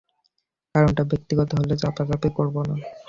কারণটা ব্যক্তিগত হলে চাপাচাপি করবো না।